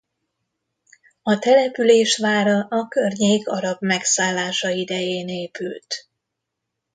A település vára a környék arab megszállása idején épült.